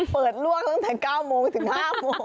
เปิดลวกตั้งแต่๙โมงถึง๕โมง